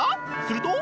すると。